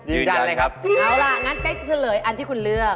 เอาล่ะงั้นเฮ้ยจะเฉลยอันที่คุณเลือก